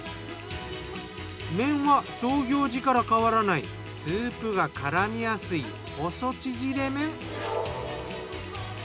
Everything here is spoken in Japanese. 麺は創業時から変わらないスープが絡みやすい細ちぢれ麺。